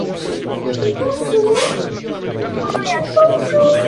La última adaptación de su cuento "Dread" fue realizada, cosechando buenas críticas.